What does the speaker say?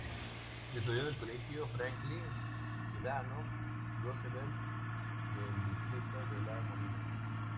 Estudió en el Colegio Franklin Delano Roosevelt del distrito de La Molina.